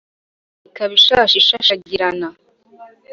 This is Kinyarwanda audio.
ikaba ishashi ishashagirana